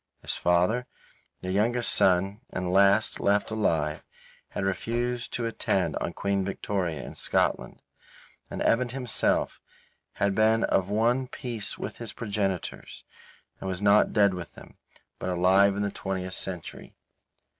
His father, the youngest son and the last left alive, had refused to attend on Queen Victoria in Scotland. And Evan himself had been of one piece with his progenitors; and was not dead with them, but alive in the twentieth century.